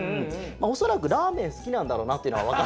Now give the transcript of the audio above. おそらくラーメン好きなんだろうなっていうのが。